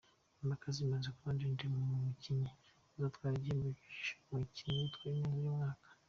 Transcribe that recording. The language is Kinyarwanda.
Impaka zimaze kuba ndende ku mukinnyi uzatwara igihembo cy’umukinnyi witwaye neza uyu mwaka.